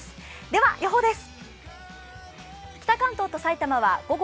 では、予報です。